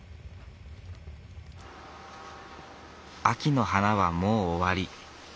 秋の花はもう終わり。